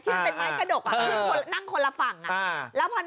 ที่เป็นไม้กระดกนั่งคนละฝั่งแล้วพอนั่ง